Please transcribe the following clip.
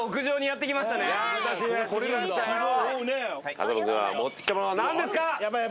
風間軍が持ってきたものは何ですか？